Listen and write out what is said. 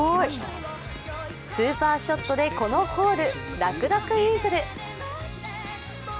スーパーショットでこのホール、楽々イーグル。